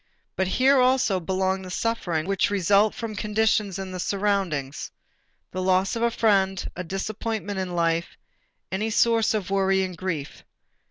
But here also belongs the suffering which results from conditions in the surroundings, the loss of a friend, a disappointment in life, any source of worry and grief.